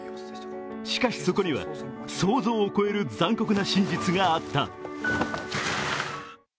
しかし、そこには想像を超える残酷な真実があった。